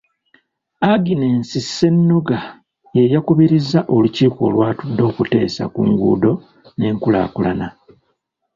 Agness Ssennoga y'eyakubirizza olukiiko olwatudde okuteesa ku nguudo n’enkulaakulana.